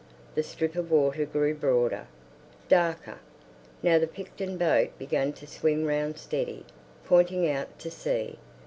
The strip of water grew broader, darker. Now the Picton boat began to swing round steady, pointing out to sea.